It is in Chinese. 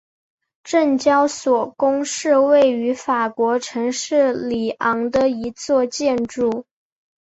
证交所宫是位于法国城市里昂的一座建筑。